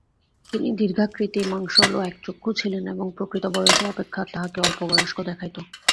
তিনি দীর্ঘাকৃতি, মাংসল ও একচক্ষু ছিলেন এবং প্রকৃত বয়স অপেক্ষা তাঁহাকে অল্পবয়স্ক দেখাইত।